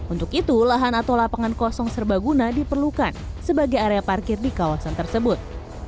untuk itu lahan atau lapangan kosong serbaguna diperlukan sebagai area parkir di kawasan tersebut